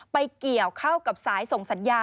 ไปเกี่ยวเข้ากับสายส่งสัญญา